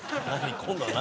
今度は何？